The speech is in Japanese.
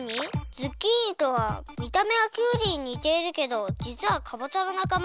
ズッキーニとはみためはきゅうりににているけどじつはかぼちゃのなかま。